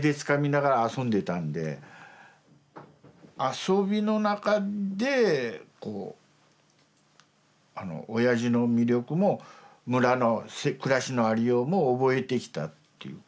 遊びの中でこうおやじの魅力も村の暮らしのありようも覚えてきたっていうか。